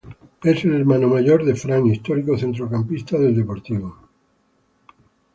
Es el hermano mayor de Fran, histórico centrocampista del Deportivo.